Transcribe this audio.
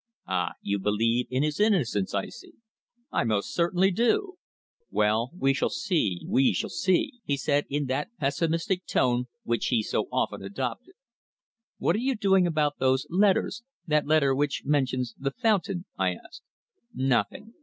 "Ah! you believe in his innocence, I see?" "I most certainly do!" "Well, we shall see we shall see," he said in that pessimistic tone which he so often adopted. "What are you doing about those letters that letter which mentions the fountain?" I asked. "Nothing.